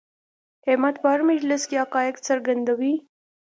احمد په هر مجلس کې حقایق څرګندوي.